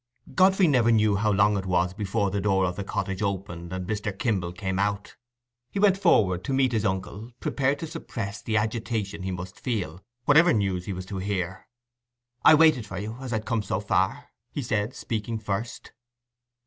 Godfrey never knew how long it was before the door of the cottage opened and Mr. Kimble came out. He went forward to meet his uncle, prepared to suppress the agitation he must feel, whatever news he was to hear. "I waited for you, as I'd come so far," he said, speaking first.